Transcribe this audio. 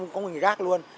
có người gác luôn